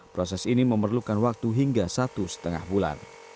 proses ini memerlukan waktu hingga satu lima bulan